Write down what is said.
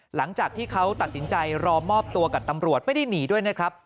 หลังจากที่เขาตัดสินใจรอมอบตัวกับตำรวจไม่ได้หนีด้วยนะครับ